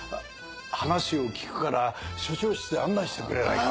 話を聞くから署長室へ案内してくれないか？